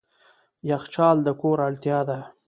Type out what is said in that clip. یخچال د کور اړتیا ده.